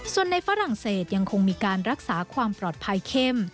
ส่วนในฝรั่งเศสยังคงมีการรักษาความปลอดภัยเข้ม